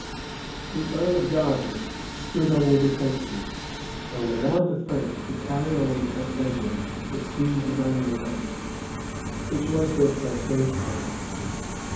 The earl of Derby stood on the defensive, and allowed the French to carry on at leisure the siege of Angouleme, which was their first enterprise.